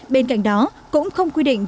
bên cạnh đó cũng không quy định